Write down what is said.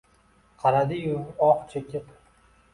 Qaradi-yu oh chekib —